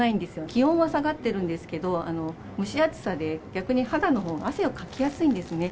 気温は下がってるんですけど、蒸し暑さで、逆に肌のほうが汗をかきやすいんですね。